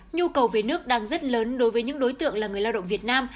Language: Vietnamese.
nhu cầu về nước đang rất lớn đối với những đối tượng là người lao động việt nam